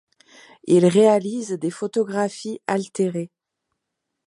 Il réalise des photographies altérées.